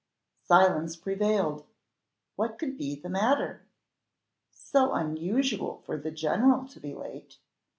Silence prevailed what could be the matter? So unusual for the general to be late.